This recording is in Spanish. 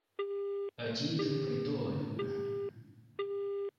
Allí interpretó a Luna.